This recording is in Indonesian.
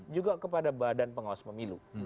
juga kepada badan pengawas pemilu